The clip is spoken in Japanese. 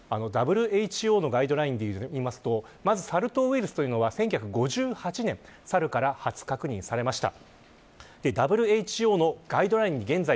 ＷＨＯのガイドラインでいいますと、サル痘ウイルスは１９５８年にサルから初確認されました。